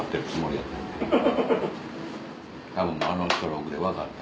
たぶんあのストロークで分かった。